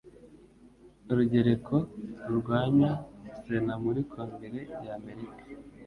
Urugereko Rurwanya Sena Muri Kongere y'Amerika